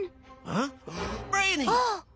あっ！